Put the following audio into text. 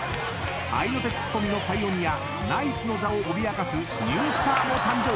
［合いの手ツッコミのパイオニアナイツの座をおびやかすニュースターも誕生。